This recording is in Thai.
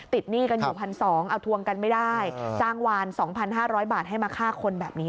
หนี้กันอยู่๑๒๐๐เอาทวงกันไม่ได้จ้างวาน๒๕๐๐บาทให้มาฆ่าคนแบบนี้